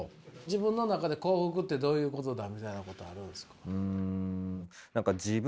自分の中で幸福ってどういうことだみたいなことあるんですか？